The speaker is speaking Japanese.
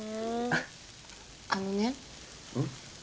あのねうん？